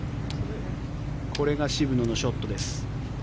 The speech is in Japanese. これが渋野のショットです。